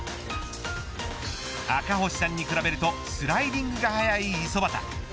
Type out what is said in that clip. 赤星さんに比べるとスライディングが早い五十畑。